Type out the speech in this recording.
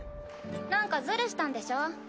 なんかズルしたんでしょ？